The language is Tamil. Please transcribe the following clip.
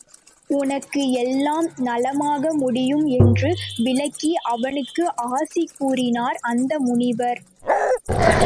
உனக்கு எல்லாம் நலமாக முடியும் என்று விளக்கி அவனுக்கு ஆசி கூறினார் அந்த முனிவர்.